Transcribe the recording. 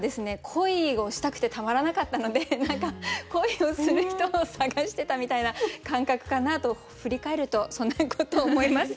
恋をしたくてたまらなかったので恋をする人を探してたみたいな感覚かなと振り返るとそんなことを思います。